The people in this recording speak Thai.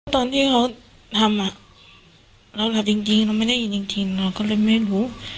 ตอนที่เขาทำอ่ะเราหลับจริงจริงเราไม่ได้ยินจริงจริงเราก็เลยไม่รู้